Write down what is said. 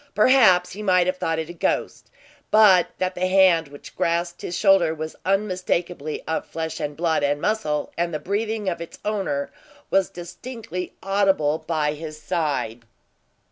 Perhaps he might have thought it a ghost, but that the hand which grasped his shoulder was unmistakably of flesh, and blood, and muscle, and the breathing of its owner was distinctly audible by his side.